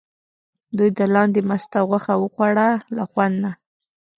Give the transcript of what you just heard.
دوی د لاندي مسته غوښه وخوړه له خوند نه.